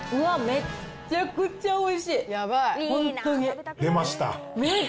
めっちゃくちゃおいしい。